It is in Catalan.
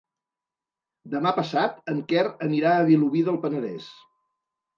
Demà passat en Quer anirà a Vilobí del Penedès.